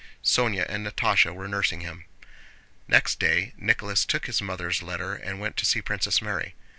Sónya and Natásha were nursing him. Next day Nicholas took his mother's letter and went to see Princess Mary.